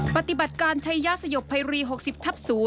ปฏิบัติการใช้ยาสยบไพรี๖๐ทับ๐